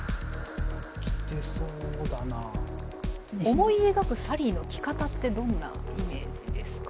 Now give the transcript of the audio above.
思い描くサリーの着方ってどんなイメージですか？